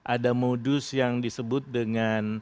ada modus yang disebut dengan